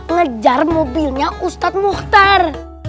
ngejar mobilnya ustadz muhtar